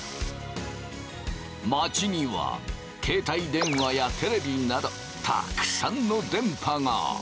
街には携帯電話やテレビなどたくさんの電波が！